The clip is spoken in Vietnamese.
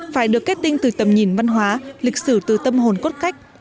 phải được kết tinh từ tầm nhìn văn hóa lịch sử từ tâm hồn cốt cách